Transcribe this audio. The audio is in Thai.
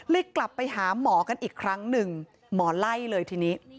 กลับไปหาหมอกันอีกครั้งหนึ่งหมอไล่เลยทีนี้